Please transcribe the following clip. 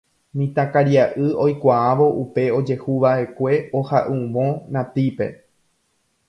Mitãkaria'y oikuaávo upe ojehuva'ekue oha'uvõ Natípe